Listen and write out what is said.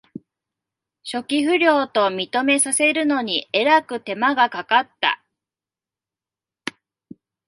初期不良と認めさせるのにえらく手間がかかった